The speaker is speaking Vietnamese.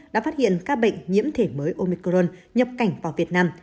đã phát hiện ca bệnh nhiễm thể mới omicron nhập cảnh vào việt nam